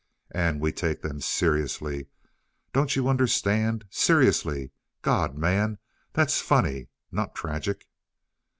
And we take them seriously. Don't you understand? Seriously! God, man, that's funny, not tragic."